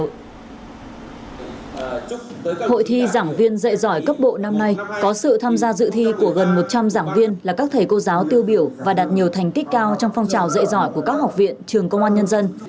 hội thi giảng viên dạy giỏi cấp bộ năm nay có sự tham gia dự thi của gần một trăm linh giảng viên là các thầy cô giáo tiêu biểu và đạt nhiều thành tích cao trong phong trào dạy giỏi của các học viện trường công an nhân dân